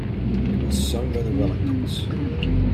It was sung by The Wellingtons.